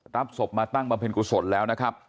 รับศพมาตั้งบำเพ็ญกุศลแล้วนะครับ